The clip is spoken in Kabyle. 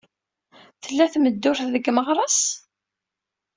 Tella tmeddurt deg Meɣres?